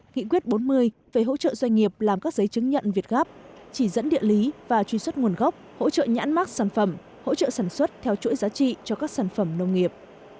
nghị quyết bốn mươi về hỗ trợ doanh nghiệp làm các giấy chứng nhận việt gáp chỉ dẫn địa lý và truy xuất nguồn gốc hỗ trợ nhãn mắc sản phẩm hỗ trợ sản xuất theo chuỗi giá trị cho các sản phẩm nông nghiệp